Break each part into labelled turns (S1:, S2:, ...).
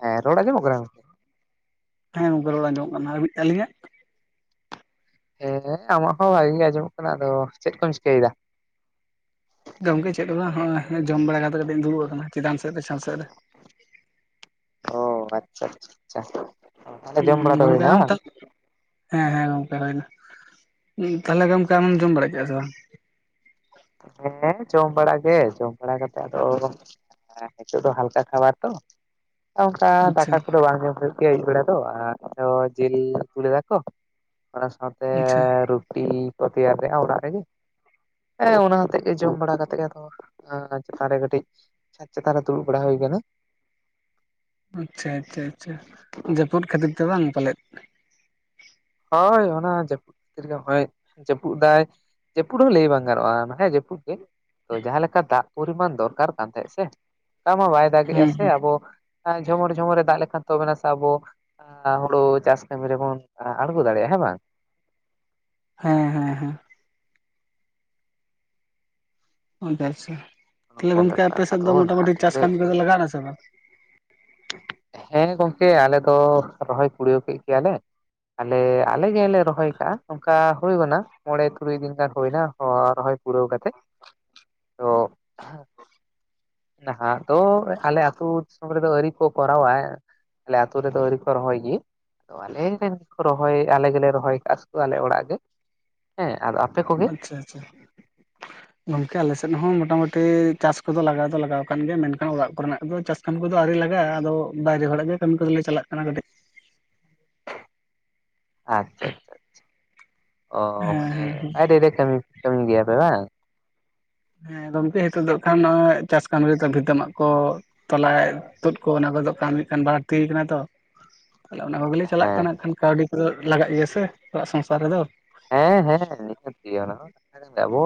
S1: ᱦᱮᱸ ᱨᱚᱲ ᱟᱸᱡᱚᱢᱚᱜ ᱠᱟᱱᱟ?
S2: ᱦᱮᱸ ᱜᱚᱝᱠᱮ ᱨᱚᱲ ᱟᱸᱡᱚᱢᱚᱜ ᱠᱟᱱᱟ, ᱟ ᱟᱹᱞᱤᱧᱟᱜ?
S1: ᱦᱮᱸ ᱟᱢᱟᱜ ᱦᱚᱸ ᱵᱷᱟᱜᱮ ᱜᱮ ᱟᱸᱡᱚᱢᱚᱜ ᱠᱟᱱᱟ᱾ ᱟᱫᱚ ᱪᱮᱫ ᱠᱚᱢ ᱪᱤᱠᱟᱹᱭ ᱫᱟ?
S2: ᱜᱚᱝᱠᱮ ᱪᱮᱫ ᱦᱚ ᱵᱟᱝ? ᱦᱚᱜ ᱚᱭ ᱡᱚᱢ ᱵᱟᱲᱟ ᱠᱟᱛᱮ ᱠᱟᱹᱴᱤᱡ ᱤᱧ ᱫᱩᱲᱩᱵ ᱠᱟᱱᱟ ᱪᱮᱛᱟᱱ ᱥᱮᱜ ᱨᱮ ᱪᱷᱟᱸᱛ ᱥᱮᱜ ᱨᱮ᱾
S1: ᱚ ᱟᱪᱪᱷᱟ ᱟᱪᱪᱷᱟ ᱟᱪᱪᱷᱟ, ᱡᱚᱢ
S2: ᱦᱩᱸ
S1: ᱵᱟᱲᱟ ᱛᱚ
S2: ᱜᱚᱝᱠᱮ
S1: ᱦᱳᱭᱱᱟ
S2: ᱟᱢ
S1: ᱵᱟᱝ?
S2: ᱛᱟ ᱦᱮᱸ ᱦᱮᱸ ᱜᱚᱝᱠᱮ ᱦᱩᱭᱱᱟ᱾ ᱛᱟᱦᱚᱞᱮ ᱜᱚᱢᱠᱮ ᱟᱢᱮᱢ ᱡᱚᱢ ᱵᱟᱲᱟ ᱠᱮᱜᱼᱟ ᱥᱮ ᱵᱟᱝ?
S1: ᱦᱮᱸ ᱡᱚᱢ ᱵᱟᱲᱟ ᱜᱮ ᱡᱚᱢ ᱵᱟᱲᱟ ᱠᱟᱛᱮᱜ ᱟᱫᱚ ᱱᱤᱛᱚᱜ ᱫᱚ ᱦᱟᱞᱠᱟ ᱠᱷᱟᱵᱟᱨ ᱛᱚ᱾ ᱚᱱᱠᱟ
S2: ᱟᱪᱪᱷᱟ
S1: ᱫᱟᱠᱟ ᱠᱚ ᱫᱚ ᱵᱟᱝ ᱡᱚᱢ ᱦᱩᱭᱩᱜ [unintelligible] ᱟᱹᱭᱩᱵ ᱵᱮᱲᱟ ᱫᱚ ᱟᱨ ᱡᱮᱞ ᱟᱹᱜᱩ ᱞᱮᱫᱟ ᱠᱚ᱾ ᱚᱱᱟ ᱥᱟᱶᱛᱮ
S2: ᱟᱪᱪᱷᱟ᱾
S1: ᱨᱩᱴᱤ ᱠᱚ ᱛᱮᱭᱟᱨ ᱞᱮᱜ-ᱟ ᱚᱲᱟᱜ ᱨᱮᱜᱮ᱾ ᱮᱸ ᱚᱱᱟ ᱦᱚᱛᱮᱫ ᱜᱮ ᱡᱚᱢ ᱵᱟᱲᱟ ᱠᱟᱛᱮ ᱜᱮ ᱟᱫᱚ ᱪᱮᱛᱟᱱ ᱨᱮ ᱠᱟᱹᱴᱤᱡ ᱪᱷᱟᱸᱛ ᱪᱮᱛᱟᱱ ᱨᱮ ᱫᱩᱲᱩᱵ ᱵᱟᱲᱟ ᱦᱩᱭ ᱠᱟᱱᱟ᱾
S2: ᱟᱪᱪᱷᱟ ᱟᱪᱪᱷᱟ ᱟᱪᱪᱷᱟ, ᱡᱟᱹᱯᱩᱫ ᱠᱷᱟᱹᱛᱤᱨ ᱛᱮ ᱵᱟᱝ ᱯᱟᱞᱮᱫ?
S1: ᱦᱳᱭ ᱚᱱᱟ ᱡᱟᱹᱯᱩᱫ ᱛᱤᱨ ᱜᱮ ᱱᱚᱜᱼᱟᱭ ᱡᱟᱹᱯᱩᱫ ᱫᱟᱭ, ᱡᱟᱹᱯᱩᱫ ᱦᱚᱸ ᱞᱟᱹᱭ ᱵᱟᱝ ᱜᱟᱱᱚᱜᱼᱟ ᱦᱮᱸ ᱡᱟᱹᱯᱩᱫ ᱜᱮ᱾ ᱛᱚ ᱡᱟᱦᱟ ᱞᱮᱠᱟ ᱫᱟᱜ ᱯᱚᱨᱤᱢᱟᱱ ᱫᱚᱨᱠᱟᱨ ᱠᱟᱱ ᱛᱟᱦᱮᱸᱜ ᱥᱮ ᱚᱱᱟ ᱢᱟ ᱵᱟᱭ ᱫᱟᱜᱮᱜᱼᱟ
S2: ᱦᱩᱸ
S1: ᱥᱮ
S2: ᱦᱩᱸ
S1: ᱟᱵᱚ ᱮᱸ ᱡᱷᱚᱢᱚᱨ ᱡᱷᱚᱢᱚᱨ ᱫᱟᱜ ᱞᱮᱠᱷᱟᱱ ᱛᱚᱵᱮ ᱱᱟᱥᱮ ᱟᱵᱚ ᱦᱩᱲᱩ ᱪᱟᱥ ᱠᱟᱹᱢᱤ ᱨᱮᱵᱚᱱ ᱟᱬᱜᱚ ᱫᱟᱲᱮᱭᱟᱜᱼᱟ ᱦᱮᱸ ᱵᱟᱝ?
S2: ᱦᱮᱸ ᱦᱮᱸ᱾ ᱦᱮᱸ ᱟᱪᱪᱷᱟ ᱛᱟᱦᱞᱮ
S1: ᱱᱚᱝᱠᱟᱱ
S2: ᱜᱚᱝᱠᱮ
S1: ᱵᱮᱯᱟᱨ
S2: ᱟᱯᱮᱥᱮᱫ ᱫᱚ
S1: ᱟᱫᱚ
S2: ᱢᱚᱴᱟ
S1: ᱱᱟᱦᱟᱜ
S2: ᱢᱩᱴᱤ
S1: ᱫᱤᱱ
S2: ᱪᱟᱥ
S1: ᱫᱚ
S2: ᱠᱟᱹᱢᱤ ᱠᱚᱫᱚ ᱞᱟᱜᱟᱣ ᱱᱟ ᱥᱮ ᱵᱟᱝ?
S1: ᱦᱮᱸ ᱜᱚᱝᱠᱮ ᱟᱞᱮ ᱫᱚ ᱨᱚᱦᱚᱭ ᱠᱩᱲᱭᱟᱹᱣ ᱠᱮᱜ ᱜᱮᱭᱟᱞᱮ᱾ ᱟᱞᱮ ᱟᱞᱮ ᱜᱮᱞᱮ ᱞᱮ ᱨᱚᱦᱚᱭ ᱠᱟᱜᱼᱟ ᱚᱱᱠᱟ ᱦᱩᱭ ᱜᱚᱜ ᱮᱱᱟ ᱢᱚᱬᱮ ᱛᱩᱨᱩᱭ ᱫᱤᱱ ᱜᱟᱱ ᱦᱳᱭᱱᱟ ᱨᱚᱦᱚᱭ ᱯᱩᱨᱟᱹᱣ ᱠᱟᱛᱮᱜ᱾ ᱛᱚ ᱱᱟᱦᱟᱜ ᱫᱚ ᱟᱞᱮ ᱟᱹᱛᱩ ᱫᱤᱥᱚᱢ ᱨᱮᱫᱚ ᱟᱹᱭᱨᱤ ᱠᱚ ᱠᱚᱨᱟᱣᱟ᱾ ᱟᱞᱮ ᱟᱛᱳ ᱨᱮᱫᱚ ᱟᱹᱭᱨᱤ ᱠᱚ ᱨᱚᱦᱚᱭ ᱜᱮ᱾ ᱟᱫᱚ ᱟᱞᱮᱨᱮᱱ ᱠᱚ ᱨᱚᱦᱚᱭ ᱟᱞᱮ ᱜᱮᱞᱮ ᱨᱚᱦᱚᱭ ᱠᱟᱜᱼᱟ ᱥᱮ ᱟᱞᱮ ᱚᱲᱟᱜ ᱜᱮ᱾ ᱦᱮᱸ ᱟᱫᱚ ᱟᱯᱮ ᱠᱚ
S2: ᱟᱪᱪᱷᱟ ᱟᱪᱪᱷᱟ᱾ ᱜᱚᱝᱠᱮ ᱟᱞᱮᱥᱮᱫ ᱦᱚᱸ ᱢᱚᱴᱟᱢᱩᱴᱤ ᱪᱟᱥ ᱠᱚᱫᱚ ᱞᱟᱜᱟᱣ ᱫᱚ ᱞᱟᱜᱟᱣ ᱠᱟᱱ ᱜᱮᱭᱟ ᱢᱮᱱᱠᱷᱟᱱ ᱚᱲᱟᱜ ᱠᱚᱨᱮᱱᱟᱜ ᱫᱚ ᱪᱟᱥ ᱠᱟᱹᱢᱤ ᱠᱚᱫᱚ ᱟᱣᱨᱤ ᱞᱟᱜᱟᱜᱼᱟ ᱟᱫᱚ ᱵᱟᱭᱨᱮ ᱦᱚᱲᱟᱜ ᱜᱮ ᱠᱟᱹᱢᱤ ᱠᱚᱫᱚ ᱞᱮ ᱪᱟᱞᱟᱜ ᱠᱟᱱᱟ ᱠᱟᱹᱴᱤᱡ ᱾
S1: ᱟᱪᱪᱷᱟ ᱟᱪᱪᱷᱟ ᱪᱷᱟ, ᱚ
S2: ᱦᱮᱸ
S1: ᱢᱟᱱᱮ
S2: ᱦᱮᱸ ᱦᱮᱸ
S1: ᱵᱟᱭᱨᱮ ᱨᱮ ᱠᱟᱢᱤ ᱠᱟᱹᱢᱤ ᱜᱮᱭᱟ ᱯᱮ ᱵᱟᱝ?
S2: ᱦᱮᱸ ᱜᱚᱢᱠᱮ ᱦᱤᱛᱳᱜ ᱫᱚ ᱠᱷᱟᱱ ᱱᱚᱜᱼᱚᱭ ᱪᱟᱥ ᱠᱟᱹᱢᱤ ᱨᱮᱫᱚ ᱵᱷᱤᱛᱟᱹ ᱢᱟᱜ ᱠᱚ ᱛᱚᱞᱟᱭ ᱛᱩᱫ ᱠᱚ ᱚᱱᱟ ᱠᱚᱫᱚ ᱠᱟᱢᱤ ᱠᱷᱟᱱ ᱵᱟᱹᱲᱛᱤ ᱠᱟᱱᱟ ᱛᱚ ᱾ ᱛᱟᱦᱞᱮ ᱚᱱᱟ ᱠᱚᱜᱮ ᱞᱮ ᱪᱟᱞᱟᱜ
S1: ᱦᱮᱸ
S2: ᱠᱟᱱᱟ ᱠᱷᱟᱱ ᱠᱟᱹᱣᱰᱤ ᱠᱚᱫᱚ ᱞᱟᱜᱟᱜ ᱜᱮᱭᱟ ᱥᱮ ᱚᱲᱟᱜ ᱥᱚᱝᱥᱟᱨ ᱨᱮᱫᱚ ᱾
S1: ᱦᱮᱸ ᱦᱮᱸ ᱱᱤᱦᱟᱹᱛ ᱜᱮ ᱚᱱᱟ ᱦᱚᱸ [unintelligible] ᱟᱵᱚ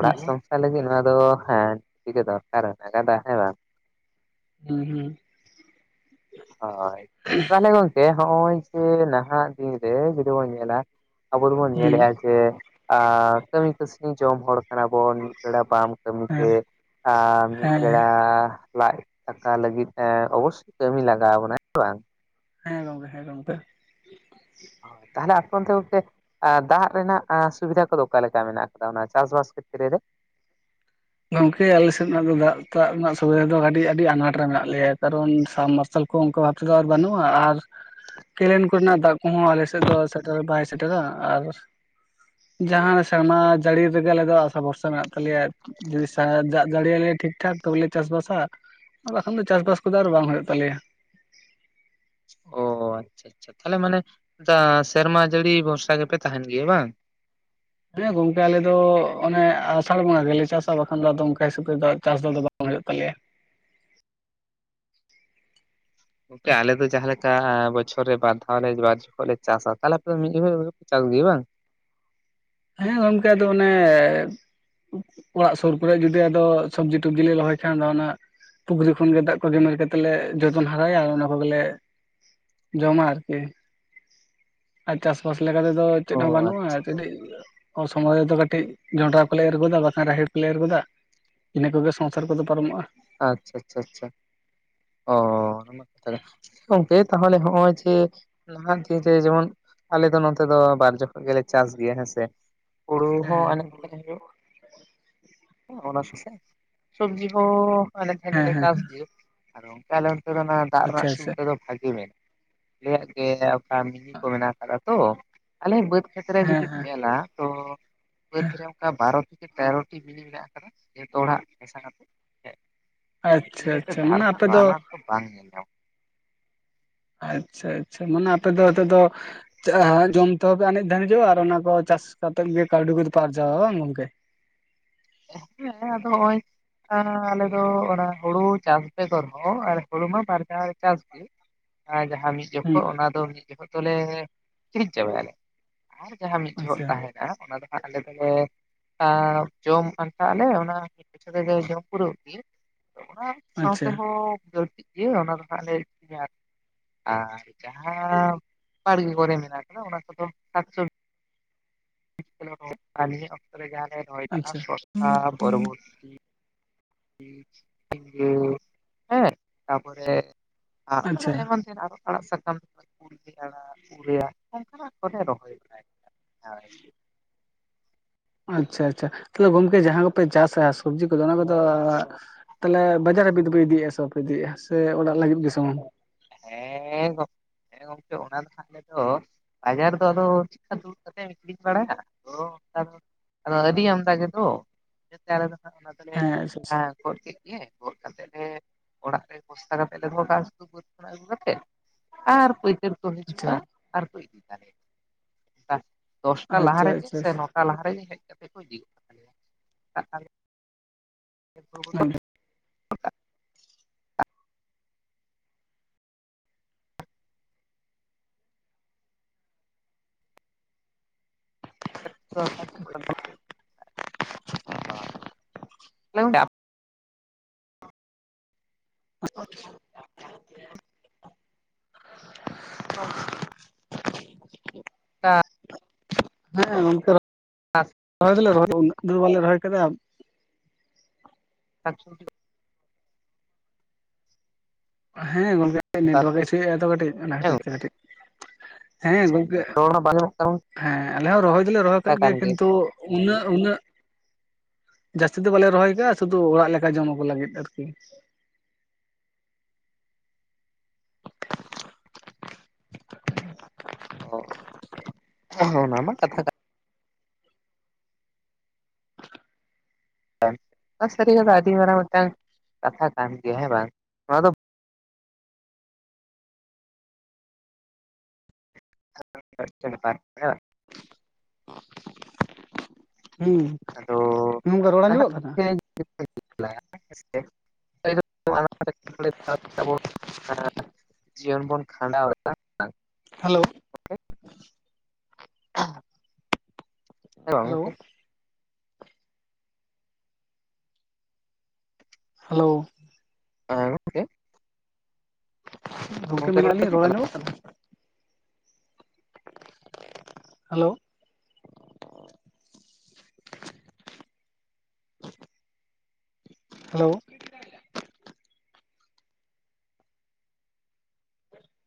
S2: ᱦᱩᱸ
S1: ᱥᱚᱝ ᱥᱚᱝᱥᱟᱨ ᱞᱟᱹᱜᱩᱫ ᱱᱚᱣᱟ ᱫᱚ ᱦᱮᱸ [unintelligible] ᱜᱮ ᱫᱚᱨᱠᱟᱨ ᱠᱟᱫᱟ ᱦᱮᱸ ᱵᱟᱝ ᱾
S2: ᱦᱩᱸ ᱦᱩᱸ ᱾
S1: ᱦᱳᱭ, ᱛᱟᱦᱚᱞᱮ ᱜᱚᱝᱠᱮ ᱦᱚᱜᱼᱚᱭ ᱡᱮ ᱱᱟᱦᱟᱜ ᱫᱤᱱ ᱨᱮ ᱡᱩᱫᱤ ᱵᱚᱱ ᱧᱮᱞᱟ ᱟᱵᱚ ᱫᱚᱵᱚᱱ
S2: ᱦᱩᱸ
S1: ᱧᱮᱞᱮᱫᱼᱟ ᱡᱮ ᱟᱸ ᱠᱟᱹᱢᱤ ᱠᱟᱹᱥᱱᱤ ᱡᱚᱢ ᱦᱚᱲ ᱠᱟᱱᱟ ᱵᱚᱱ ᱢᱤᱫ ᱵᱮᱲᱟ ᱵᱟᱢ ᱠᱟᱢᱤ
S2: ᱦᱮᱸ
S1: ᱛᱮ ᱟᱨ ᱢᱤᱫ
S2: ᱦᱮᱸ
S1: ᱵᱮᱲᱟ ᱞᱟᱡ ᱫᱟᱠᱟ ᱞᱟᱹᱜᱤᱫ ᱚᱵᱚᱥᱥᱳᱭ ᱠᱟᱹᱢᱤ ᱞᱟᱜᱟᱣ ᱵᱚᱱᱟ ᱦᱮᱸ ᱵᱟᱝ?
S2: ᱦᱮᱸ ᱜᱚᱝᱠᱮ ᱦᱮᱸ ᱜᱚᱢᱠᱮ ᱾
S1: ᱦᱚᱭ ᱛᱟᱦᱚᱞᱮ ᱟᱯᱮ ᱚᱱᱛᱮ ᱜᱚᱝᱠᱮ ᱫᱟᱜ ᱨᱮᱱᱟᱜ ᱥᱩᱵᱤᱫᱷᱟ ᱠᱚᱫᱚ ᱚᱠᱟ ᱞᱮᱠᱟ ᱢᱮᱱᱟᱜ ᱟᱠᱟᱫᱟ ᱚᱱᱟ ᱪᱟᱥᱵᱟᱥ ᱠᱷᱮᱛᱛᱨᱮ ᱨᱮ?
S2: ᱜᱚᱝᱠᱮ ᱟᱞᱮ ᱥᱮᱫᱱᱟᱜ ᱫᱚ ᱫᱟᱜ ᱫᱟᱜ ᱨᱮᱱᱟᱜ ᱥᱩᱵᱤᱫᱷᱟ ᱫᱚ ᱟᱹᱰᱤ ᱟᱱᱟᱴ ᱨᱮ ᱢᱮᱱᱟᱜ ᱞᱮᱭᱟ ᱠᱟᱨᱚᱱ ᱥᱟᱵᱢᱟᱨᱥᱟᱞ ᱠᱚ ᱚᱱᱠᱟ ᱵᱷᱟᱵ ᱛᱮᱫᱚ ᱟᱨ ᱵᱟᱹᱱᱩᱜᱼᱟ ᱟᱨ ᱠᱮᱞᱮᱱ ᱠᱚᱨᱮᱱᱟᱜ ᱫᱟᱜ ᱠᱚᱦᱚᱸ ᱟᱞᱮᱥᱮᱫ ᱫᱚ ᱥᱮᱴᱮᱨ ᱵᱟᱭ ᱥᱮᱴᱮᱨᱟ, ᱟᱨ ᱡᱟᱦᱟᱸ ᱥᱮᱨᱢᱟ ᱡᱟᱹᱲᱤ ᱨᱮᱜᱮ ᱟᱞᱮ ᱫᱚ ᱟᱥᱟ ᱵᱷᱚᱨᱥᱟ ᱢᱮᱱᱟᱜ ᱛᱟᱞᱮᱭᱟ ᱾ ᱡᱩᱫᱤ ᱫᱟᱜ ᱥᱟᱭᱮᱫ ᱫᱟᱜ ᱡᱟᱹᱲᱤᱭᱟ ᱞᱮᱭᱟ ᱴᱷᱤᱠ ᱴᱷᱟᱠ ᱛᱚᱵᱮ ᱞᱮ ᱪᱟᱥ ᱵᱟᱥᱟ ᱾ ᱟᱨ ᱵᱟᱠᱷᱟᱱ ᱫᱚ ᱪᱟᱥᱵᱟᱥ ᱠᱚᱫᱚ ᱟᱨ ᱵᱟᱝ ᱦᱩᱭᱩᱜ ᱛᱟᱞᱮᱭᱟ ᱾
S1: ᱚ ᱟᱪᱪᱷᱟ ᱟᱪᱪᱷᱟ, ᱛᱟᱦᱚᱞᱮ ᱢᱟᱱᱮ ᱥᱮᱨᱢᱟ ᱡᱟᱹᱲᱤ ᱵᱷᱚᱨᱥᱟ ᱜᱮᱯᱮ ᱛᱟᱦᱮᱱ ᱜᱮᱭᱟ ᱵᱟᱝ?
S2: ᱦᱮᱸ ᱜᱚᱝᱠᱮ ᱟᱞᱮ ᱫᱚ ᱚᱱᱮ ᱟᱥᱟᱲ ᱵᱚᱸᱜᱟ ᱜᱮᱞᱮ ᱪᱟᱥᱟ ᱵᱟᱠᱷᱟᱱ ᱫᱚ ᱟᱫᱚ ᱚᱱᱠᱟ ᱦᱤᱥᱟᱹᱵᱽ ᱛᱮᱫᱚ ᱪᱟᱥ ᱫᱚ ᱟᱫᱚ ᱵᱟᱝ ᱦᱩᱭᱩᱜ ᱛᱟᱞᱮᱭᱟ ᱾
S1: ᱜᱚᱝᱠᱮ ᱟᱞᱮ ᱫᱚ ᱡᱟᱦᱟᱸ ᱞᱮᱠᱟ ᱵᱚᱪᱷᱚᱨ ᱨᱮ ᱵᱟᱨ ᱫᱷᱟᱣ ᱞᱮ ᱵᱟᱨ ᱡᱚᱠᱷᱚᱡ ᱞᱮ ᱪᱟᱥᱟ, ᱛᱟᱦᱚᱞᱮ ᱟᱯᱮ ᱫᱚ ᱢᱤᱫ ᱡᱚᱠᱷᱮᱡ ᱜᱮᱯᱮ ᱪᱟᱥ ᱜᱮᱭᱟ ᱵᱟᱝ?
S2: ᱦᱮᱸ ᱜᱚᱝᱠᱮ ᱟᱫᱚ ᱚᱱᱮ ᱚᱲᱟᱜ ᱥᱩᱨ ᱠᱚᱨᱮ ᱡᱚᱫᱤ ᱟᱫᱚ ᱥᱚᱵᱽᱡᱤ ᱴᱚᱵᱡᱤ ᱞᱮ ᱨᱚᱦᱚᱭ ᱠᱷᱟᱱ ᱫᱚ ᱚᱱᱟ ᱯᱩᱠᱷᱨᱤ ᱠᱷᱚᱱ ᱜᱮ ᱫᱟᱜ ᱠᱚ ᱜᱮᱢᱮᱨ ᱠᱟᱛᱮᱫ ᱞᱮ ᱡᱚᱛᱚᱱ ᱦᱟᱨᱟᱭᱟ ᱟᱨ ᱚᱱᱟ ᱠᱚᱜᱮᱞᱮ ᱡᱚᱢᱟ ᱟᱨᱠᱤ, ᱟᱨ ᱪᱟᱥᱵᱟᱥ ᱞᱮᱠᱟ ᱛᱮᱫᱚ
S1: ᱚ
S2: ᱪᱮᱫ ᱦᱚᱸ ᱵᱟᱹᱱᱩᱜᱼᱟ ᱠᱟᱹᱴᱤᱡ ᱚᱥᱚᱢᱚᱭ ᱨᱮ ᱫᱚ ᱠᱟᱹᱴᱤᱡ ᱡᱚᱸᱰᱨᱟ ᱠᱚᱞᱮ ᱮᱨ ᱜᱚᱫᱟ ᱵᱟᱠᱷᱟᱱ ᱨᱟᱦᱮᱲ ᱠᱚᱞᱮ ᱮᱨ ᱜᱚᱫᱟ ᱾ ᱤᱱᱟᱹ ᱠᱚᱜᱮ ᱥᱚᱝᱥᱟᱨ ᱠᱚᱫᱚ ᱯᱟᱨᱚᱢᱚᱜᱼᱟ ᱾
S1: ᱟᱪᱪᱷᱟ ᱟᱪᱪᱷᱟ ᱟᱪᱪᱷᱟ ᱾ ᱚ ᱚᱱᱟ ᱠᱟᱛᱷᱟ ᱢᱟ ᱠᱟᱱᱟ, ᱜᱚᱝᱠᱮ ᱛᱟᱦᱚᱞᱮ ᱦᱚᱜᱼᱚᱭ ᱡᱮ [unintelligible] ᱫᱤᱱ ᱨᱮ ᱡᱮᱢᱚᱱ ᱟᱞᱮ ᱫᱚ ᱱᱚᱛᱮ ᱫᱚ ᱵᱟᱨ ᱡᱚᱠᱷᱚᱡ ᱜᱮᱞᱮ ᱪᱟᱥ ᱜᱮᱭᱟ ᱦᱮᱸ ᱥᱮ ᱾ ᱦᱩᱲᱩ
S2: ᱦᱮᱸ
S1: ᱦᱚᱸ [unintelligible] ᱦᱩᱭᱩᱜ ᱚᱱᱟ ᱥᱩᱨᱥᱮᱜ ᱥᱚᱵᱽᱡᱤ ᱦᱚᱸ ᱟᱞᱮ ᱴᱷᱮᱱ
S2: ᱦᱮᱸ
S1: ᱫᱚᱞᱮ
S2: ᱦᱮᱸ
S1: ᱪᱟᱥ ᱜᱮᱭᱟ ᱟᱨ ᱚᱝᱠᱟ ᱟᱞᱮ ᱱᱚᱛᱮ ᱫᱚ ᱚᱱᱟ ᱫᱟᱜ ᱨᱮᱱᱟᱜ
S2: ᱟᱪᱪᱷᱟ ᱟᱪᱪᱷᱟ
S1: ᱚᱥᱩᱵᱤᱛᱟ ᱫᱚ ᱵᱷᱟᱜᱤ ᱢᱮᱱ ᱟᱞᱮᱭᱟᱜ ᱜᱮ ᱚᱠᱟ ᱢᱤᱱᱤ ᱠᱚ ᱢᱮᱱᱟᱜ ᱟᱠᱟᱫᱟ ᱛᱚ ᱟᱞᱮ ᱵᱟᱹᱫᱽ ᱠᱷᱮᱛᱨᱮ
S2: ᱦᱮᱸ
S1: ᱡᱩᱫᱤᱢ
S2: ᱦᱮᱸ
S1: ᱧᱮᱞᱟ ᱛᱚ ᱵᱟᱹᱫᱽ ᱨᱮ ᱚᱱᱠᱟ ᱵᱟᱨᱚ ᱛᱷᱮᱠᱮ ᱛᱮᱨᱚᱴᱤ ᱢᱤᱱᱤ ᱢᱮᱱᱟᱜ ᱟᱠᱟᱫᱟ ᱡᱚᱛᱚ ᱦᱚᱲᱟᱜ ᱢᱮᱥᱟ ᱠᱟᱛᱮᱜ ᱦᱮᱡ ᱟᱫᱚ
S2: ᱟᱪᱪᱷᱟ
S1: [unintelligible] ᱤᱭᱟᱹᱛᱮ
S2: ᱟᱪᱪᱷᱟ
S1: ᱫᱟᱜ
S2: ᱢᱟᱱᱮ
S1: ᱨᱮᱱᱟᱜ
S2: ᱟᱯᱮ
S1: ᱫᱚ
S2: ᱫᱚ
S1: ᱟᱱᱟᱴ ᱵᱟᱝ ᱧᱮᱞ ᱧᱟᱢᱚᱜ ᱾
S2: ᱟᱪᱪᱷᱟ ᱟᱪᱪᱷᱟ, ᱢᱟᱱᱮ ᱟᱯᱮ ᱫᱚ ᱱᱤᱛᱚᱜ ᱫᱚ ᱪᱟᱦᱟ ᱡᱚᱢ ᱛᱮᱦᱚᱸ ᱯᱮ ᱟᱱᱮᱡ ᱫᱷᱟᱱᱮᱡᱚᱜᱼᱟ ᱟᱨ ᱚᱱᱟ ᱠᱚ ᱪᱟᱥ ᱠᱟᱛᱮ ᱜᱮ ᱠᱟᱹᱣᱰᱤ ᱠᱚᱫᱚ ᱯᱮ ᱟᱨᱡᱟᱣᱟ ᱵᱟᱝ ᱜᱚᱝᱠᱮ?
S1: ᱦᱮᱸ ᱟᱫᱚ ᱦᱚᱸᱜᱼᱚᱭ ᱟᱸ ᱟᱞᱮ ᱫᱚ ᱚᱱᱟ ᱦᱳᱲᱳ ᱪᱟᱥ ᱵᱮᱜᱚᱨ ᱦᱚᱸ ᱟᱨ ᱦᱳᱲᱳ ᱢᱟ ᱵᱟᱨ ᱫᱷᱟᱣ ᱞᱮ ᱪᱟᱥ ᱜᱮ ᱾ ᱟᱨ ᱡᱟᱦᱟᱸ ᱢᱤᱫ
S2: ᱦᱩᱸ
S1: ᱡᱚᱠᱷᱚᱜ ᱚᱱᱟ ᱫᱚ ᱢᱤᱫ ᱡᱚᱠᱷᱚᱜ ᱫᱚᱞᱮ ᱟᱹᱠᱷᱤᱨᱤᱧ ᱪᱟᱵᱟᱭᱟᱞᱮ, ᱟᱨ ᱡᱟᱦᱟᱸ ᱢᱤᱫ ᱡᱚᱦᱚᱜ
S2: ᱟᱪᱪᱷᱟ
S1: ᱛᱟᱦᱮᱸ ᱟᱸ ᱚᱱᱟ ᱫᱚ ᱦᱟᱸᱜ ᱟᱞᱮ ᱫᱚᱞᱮ, ᱟ ᱡᱚᱢ ᱯᱷᱟᱱᱴᱟᱜ ᱟᱞᱮ ᱚᱱᱟ ᱢᱤᱫ [unintelligible] ᱡᱚᱢ ᱯᱩᱨᱟᱹᱣ ᱜᱤ ᱾ ᱟᱫᱚ ᱚᱱᱟ ᱥᱟᱶᱛᱮ
S2: ᱟᱪᱪᱷᱟ
S1: ᱦᱚᱸ ᱵᱟᱹᱲᱛᱤᱜ ᱜᱤᱭᱟ ᱚᱱᱟ ᱫᱚ ᱦᱟᱸᱜ ᱞᱮ ᱟᱹᱠᱷᱨᱤᱧᱟ ᱟᱨ ᱡᱟᱦᱟᱸ ᱵᱟᱲᱜᱮ ᱠᱚᱨᱮ ᱢᱮᱱᱟᱜ ᱠᱟᱫᱟ ᱚᱱᱟ ᱠᱚᱫᱚ ᱥᱟᱠ ᱥᱚᱵ ᱞᱤᱡ ᱛᱮᱞᱮ ᱨᱚᱦᱚᱭ ᱠᱟᱜᱼᱟ, ᱱᱤᱭᱟᱹ ᱚᱠᱛᱚ ᱨᱮ ᱡᱟᱦᱟᱸ ᱞᱮ ᱨᱚᱦᱚᱭ ᱠᱟᱜᱼᱟ
S2: ᱟᱪᱪᱷᱟ
S1: ᱥᱚᱥᱟ, ᱵᱚᱨᱵᱳᱴᱤ ᱾ ᱡᱷᱤᱸᱜᱟᱹ ᱦᱮᱸ, ᱛᱟᱯᱚᱨᱮ ᱟᱨ
S2: ᱟᱪᱪᱷᱟ
S1: ᱮᱢᱟᱱ ᱛᱮᱱᱟ ᱟᱨᱚ ᱟᱲᱟᱜ ᱥᱟᱠᱟᱢ ᱾ ᱠᱩᱲᱢᱤ ᱟᱲᱟᱜ, ᱯᱩᱨᱟᱹᱭ ᱟᱲᱟᱜ, ᱚᱱᱠᱟᱱᱟᱜ ᱠᱚᱞᱮ ᱨᱚᱦᱚᱭ ᱵᱟᱲᱟᱭ ᱜᱮᱭᱟ ᱾
S2: ᱟᱪᱪᱷᱟ ᱟᱪᱪᱷᱟ, ᱛᱟᱦᱞᱮ ᱜᱚᱝᱠᱮ ᱡᱟᱦᱟᱸ ᱠᱚᱯᱮ ᱪᱟᱥᱟ ᱥᱚᱵᱽᱡᱤ ᱠᱚᱫᱚ ᱚᱱᱟ ᱠᱚᱫᱚ ᱛᱟᱦᱚᱞᱮ ᱵᱟᱡᱟᱨ ᱦᱟᱹᱵᱤᱡ ᱫᱚᱯᱮ ᱤᱫᱤᱭᱟ ᱥᱮ ᱵᱟᱯᱮ ᱤᱫᱤᱭᱟ, ᱥᱮ ᱚᱲᱟᱜ ᱞᱟᱹᱜᱤᱫ ᱜᱮ ᱥᱩᱢᱩᱝ?
S1: ᱦᱮᱸᱻ ᱜᱚᱝᱠᱮ, ᱦᱮᱸ ᱜᱚᱝᱠᱮ ᱚᱱᱟ ᱫᱚ ᱦᱟᱸᱜ ᱟᱞᱮ ᱫᱚ ᱵᱟᱡᱟᱨ ᱨᱮᱫᱚ ᱟᱫᱚ ᱪᱮᱜᱠᱟ ᱫᱩᱲᱩᱵ ᱠᱟᱛᱮᱜ ᱟᱹᱠᱷᱨᱤᱧ ᱵᱟᱲᱟᱭᱟ, ᱚᱫᱚ ᱚᱱᱠᱟ ᱫᱚ ᱟᱫᱚ ᱟᱹᱰᱤ ᱟᱢᱫᱟ ᱜᱮᱫᱚ [unintelligible] ᱟᱞᱮ ᱫᱚ ᱦᱟᱸᱜ ᱚᱱᱟ ᱫᱚᱞᱮ
S2: ᱦᱮᱸ ᱟᱪᱪᱷᱟ
S1: ᱮ ᱜᱚᱫ ᱠᱮᱜ ᱜᱮ, ᱜᱚᱫ ᱠᱟᱛᱮᱜ ᱞᱮ ᱚᱲᱟᱜ ᱨᱮ ᱵᱚᱥᱛᱟ ᱠᱟᱛᱮᱜ ᱞᱮ ᱫᱚᱦᱚ ᱠᱟᱜᱼᱟ ᱥᱩᱫᱩ ᱚᱲᱜᱟ ᱟᱹᱜᱩ ᱠᱟᱛᱮᱜ, ᱟᱨ ᱯᱟᱹᱭᱠᱟᱹᱨ ᱠᱚ
S2: ᱟᱪᱪᱷᱟ
S1: ᱦᱤᱡᱩᱜᱼᱟ ᱟᱨᱠᱚ ᱤᱫᱤ ᱛᱟᱞᱮᱭᱟ, ᱫᱚᱥᱴᱟ ᱞᱟᱦᱟ
S2: ᱟᱪᱪᱷᱟ
S1: ᱨᱮᱜᱮ
S2: ᱟᱪᱪᱷᱟ
S1: ᱥᱮ ᱱᱚ
S2: ᱟᱪᱪᱷᱟ
S1: ᱴᱟ ᱞᱟᱦᱟ ᱨᱮ ᱜᱮ ᱦᱮᱡ ᱠᱟᱛᱮᱜ ᱠᱚ ᱤᱫᱤ ᱜᱚᱜ ᱠᱟᱛᱟᱞᱮᱭᱟ [unintelligible] ᱾
S2: ᱦᱮᱸ
S1: [unintelligible] [unintelligible] [unintelligible]
S2: [unintelligible]
S1: [unintelligible]
S2: [unintelligible] ᱦᱮᱸ ᱜᱚᱝᱠᱮ ᱵᱟ
S1: ᱟᱥ
S2: ᱨᱚᱦᱚᱭ ᱫᱚᱞᱮ ᱨᱚᱦᱚᱭᱫᱟ, ᱩᱱᱟᱹᱜ ᱫᱚ ᱵᱟᱞᱮ ᱨᱚᱦᱚᱭ ᱠᱟᱫᱟ ᱾
S1: [unintelligible]
S2: ᱦᱮᱸ ᱜᱚᱝᱠᱮ
S1: ᱚᱱᱠᱟ
S2: ᱱᱮᱴᱟᱨᱠ ᱮ ᱤᱥᱩᱭᱫᱟ ᱛᱚ, ᱠᱟᱹᱴᱤᱡ ᱚᱱᱟ ᱠᱷᱟᱹᱛᱤᱨ ᱛᱮ ᱠᱟᱹᱴᱤᱡ ᱦᱮᱸ ᱜᱚᱝᱠᱮ,
S1: ᱨᱚᱲ ᱦᱚᱸ ᱵᱟᱝ ᱟᱸᱡᱚᱢᱚᱜ ᱠᱟᱱ
S2: ᱦᱮᱸ ᱟᱞᱮ ᱦᱚᱸ ᱨᱚᱦᱚᱭ ᱫᱚᱞᱮ ᱨᱚᱦᱚᱭ
S1: ᱠᱟᱛᱷᱟ
S2: ᱠᱟᱜ
S1: ᱠᱟᱱ
S2: ᱜᱮᱭᱟ
S1: ᱜᱮ
S2: ᱠᱤᱱᱛᱩ ᱩᱱᱟᱹ ᱩᱱᱟᱹ ᱡᱟᱹᱥᱛᱤ ᱫᱚ ᱵᱟᱞᱮ ᱨᱚᱦᱚᱭ ᱠᱟᱜᱼᱟ, ᱥᱩᱫᱩ ᱚᱲᱟᱜ ᱞᱮᱠᱟ ᱡᱚᱢᱚᱠ ᱞᱟᱹᱜᱤᱫ ᱟᱨᱠᱤ ᱾
S1: ᱚ ᱚᱱᱟ ᱢᱟ ᱠᱟᱛᱷᱟ ᱠᱟᱱ ᱥᱟᱹᱨᱤ ᱠᱟᱫᱟ ᱟᱹᱰᱤ ᱢᱟᱨᱟᱝ ᱢᱮᱫᱴᱟᱝ, ᱠᱟᱛᱷᱟ ᱠᱟᱱ ᱜᱮᱭᱟ ᱦᱮᱸ ᱵᱟᱝ, ᱱᱚᱣᱟ ᱫᱚ [inaudible]
S2: ᱦᱩᱸ,
S1: ᱟᱫᱚ
S2: ᱜᱚᱝᱠᱮ ᱨᱚᱲ
S1: ᱞᱟᱦᱟᱜ
S2: ᱟᱸᱡᱚᱢᱚᱜ ᱠᱟᱱᱟ
S1: [inaudible] [inaudible] ᱡᱤᱭᱚᱱ ᱵᱚᱱ ᱠᱷᱟᱸᱰᱟᱣᱮᱫᱟ
S2: ᱦᱮᱞᱳ,
S1: [unintelligible] ᱦᱮᱸ ᱵᱟᱝ
S2: ᱦᱮᱞᱳ
S1: ᱜᱚᱝᱠᱮ,
S2: ᱦᱮᱞᱳ,
S1: ᱮ ᱜᱚᱝᱠᱮ
S2: ᱜᱚᱢᱠᱮ ᱢᱮᱱᱟᱜ ᱞᱤᱧ ᱨᱚᱲ ᱟᱸᱡᱚᱢᱚᱜ ᱠᱟᱱᱟ? ᱦᱮᱞᱳ᱾ ᱦᱮᱞᱳ, [unintelligible]